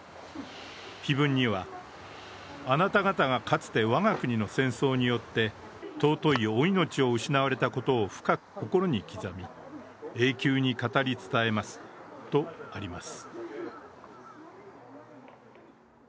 碑文には、あなた方がかつてわが国の戦争によって尊いお命を失われたことを深く心に刻み、永久に語り伝えますとあります。